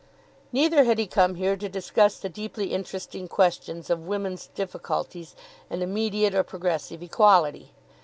Neither had he come here to discuss the deeply interesting questions of women's difficulties and immediate or progressive equality.